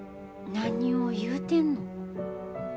何を言うてんの。